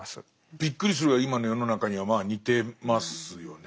びっくりするぐらい今の世の中にはまあ似てますよね。